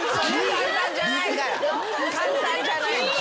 簡単じゃない。